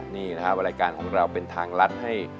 นี่นะครับรายการของเราเป็นทางรัฐให้